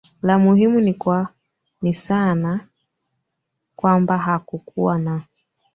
la muhimu ni kwa ni sana kwamba hakukuwa na